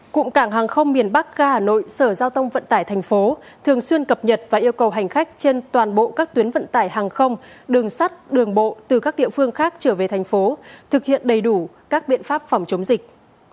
cụm cảng hàng không miền bắc ga hà nội sở giao thông vận tải thành phố thường xuyên cập nhật và yêu cầu hành khách trên toàn bộ các tuyến vận tải hàng không đường sắt đường bộ từ các địa phương khác trở về thành phố thực hiện đầy đủ các biện pháp phòng chống dịch